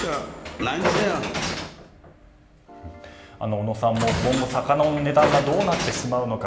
小野さんも今後、魚の値段がどうなってしまうのか。